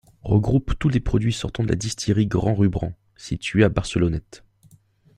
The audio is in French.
Regroupe tous les produits sortant de la distillerie Grand Rubren, située à Barcelonnette.